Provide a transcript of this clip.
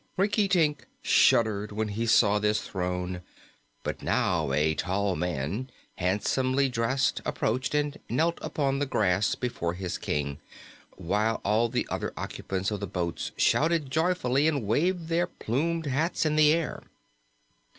Rinkitink shuddered when he saw this throne; but now a tall man, handsomely dressed, approached and knelt upon the grass before his King, while all the other occupants of the boats shouted joyfully and waved their plumed hats in the air.